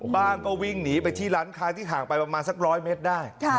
บ้างก็วิ่งหนีไปที่ร้านค้าที่ห่างไปประมาณสัก๑๐๐เมตรได้